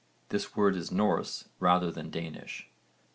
This word is Norse rather than Danish.